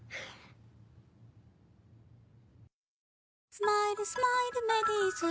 「スマイルスマイルメリーズ」